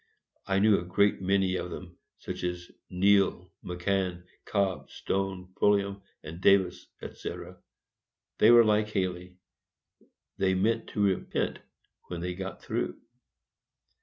I knew a great many of them, such as Neal, McAnn, Cobb, Stone, Pulliam and Davis, &c. They were like Haley,—they meant to repent when they got through.